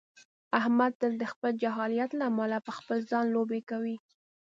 احمد تل د خپل جاهلیت له امله په خپل ځان لوبې کوي.